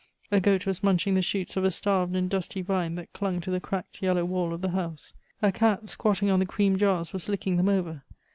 A goat was munching the shoots of a starved and dusty vine that clung to the cracked yellow wall of the house. A cat, squatting on the cream jars, was licking them over.